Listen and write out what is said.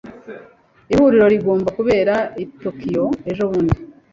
Ihuriro rigomba kubera i Tokiyo ejobundi.